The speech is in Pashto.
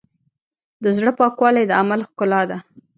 د زړۀ پاکوالی د عمل ښکلا ده.